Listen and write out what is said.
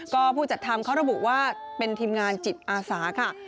ก็ผู้จัดทำเขาระบุว่าเป็นทีมงานจิตอาสาค่ะ